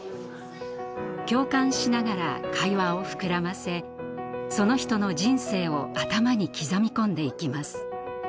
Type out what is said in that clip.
共感しながら会話を膨らませその人の人生を頭に刻み込んでいきます。